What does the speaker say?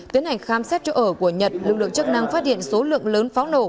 tiến hành khám xét chỗ ở của nhật lực lượng chức năng phát hiện số lượng lớn pháo nổ